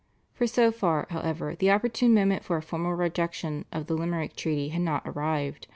For so far, however, the opportune moment for a formal rejection of the Limerick Treaty had not arrived.